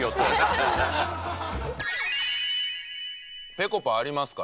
ぺこぱありますか？